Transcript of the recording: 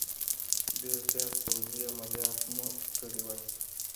ډېر زیات پوځي عملیات مو کړي وای.